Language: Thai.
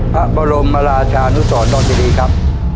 พระบรมราชานุสรดอนเจดีครับ